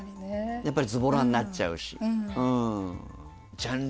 やっぱりズボラになっちゃうしうん。